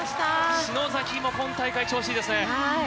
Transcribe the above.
篠崎も今大会調子いいですね。